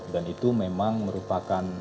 dan itu memang menutupkan